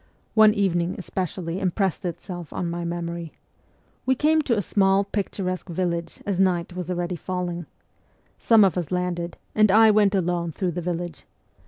One evening especially impressed itself on my memory. We came to a small, picturesque village as night was already falling. Some of 'us landed, and I went alone through the village.